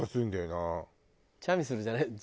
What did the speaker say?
チャミスルじゃないの？